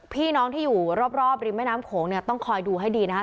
พี่น้องที่อยู่รอบริมแม่น้ำโขงเนี่ยต้องคอยดูให้ดีนะครับ